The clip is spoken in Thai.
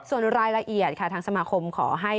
ส่วนรายละเอียดค่ะทางสมาคมขอให้